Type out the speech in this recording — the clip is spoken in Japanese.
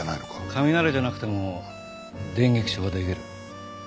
雷じゃなくても電撃傷は出来る。